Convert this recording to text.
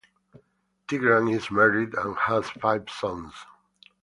Tigran is married and has five sons.